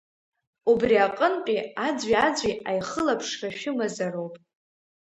Убри аҟынтәи аӡәи-аӡәи аихылаԥшра шәымазароуп…